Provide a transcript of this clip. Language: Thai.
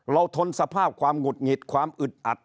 ทนสภาพความหงุดหงิดความอึดอัด